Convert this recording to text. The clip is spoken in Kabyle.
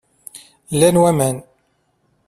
Llan waman.